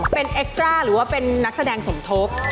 เป็นเอ็กซ่าหรือว่าเป็นนักแสดงสมทบ